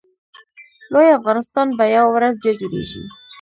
لوی افغانستان به یوه ورځ بیا جوړېږي